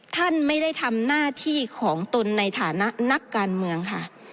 ท่านไม่ได้ทำหน้าที่ของตนในฐานะนักการเมืองค่ะ